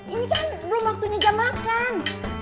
ini kan belum waktunya jam makan